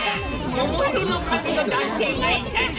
ももいろのかみのだんせいがいたぞ！